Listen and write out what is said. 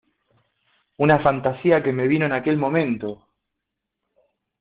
una fantasía que me vino en aquel momento.